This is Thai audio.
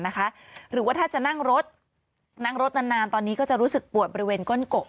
หรือว่าถ้าจะนั่งรถนั่งรถนานตอนนี้ก็จะรู้สึกปวดบริเวณก้นกบ